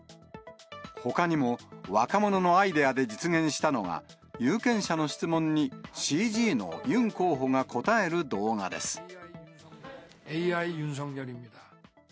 ほかにも、若者のアイデアで実現したのが、有権者の質問にＣＧのユン候補が答える動画です。